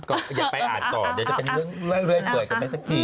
ก็อย่าไปอ่านต่อเดี๋ยวจะเป็นเรื่องเรื่อยเปิดกันไปสักที